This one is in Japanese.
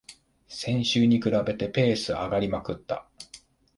先週に比べてペース上がりまくった